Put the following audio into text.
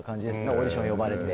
オーディションに呼ばれて。